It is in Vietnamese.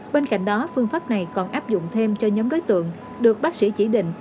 bên cạnh đó phương pháp này còn áp dụng thêm cho nhóm đối tượng được bác sĩ chỉ định